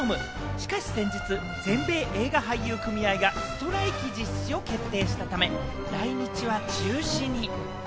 しかし先日、全米映画俳優組合がストライキ実施を決定したため、来日は中止に。